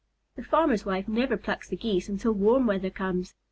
The farmer's wife never plucks the Geese until warm weather comes.